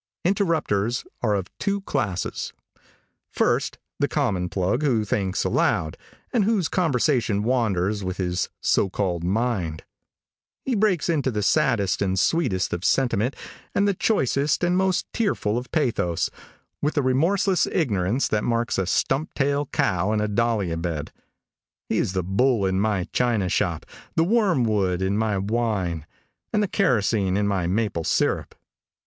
Interrupters are of two classes: First, the common plug who thinks aloud, and whose conversation wanders with his so called mind. He breaks into the saddest and sweetest of sentiment, and the choicest and most tearful of pathos, with the remorseless ignorance that marks a stump tail cow in a dahlia bed. He is the bull in my china shop, the wormwood in my wine, and the kerosene in my maple syrup.